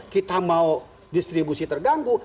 kita mau distribusi terganggu